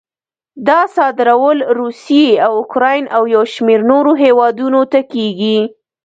دا صادرول روسیې، اوکراین او یو شمېر نورو هېوادونو ته کېږي.